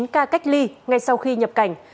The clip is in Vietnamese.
một mươi chín ca cách ly ngay sau khi nhập cảnh